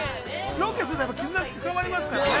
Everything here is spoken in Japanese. ロケすると絆って深まりますからね。